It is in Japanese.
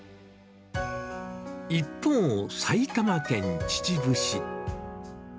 一方、埼玉県秩父市。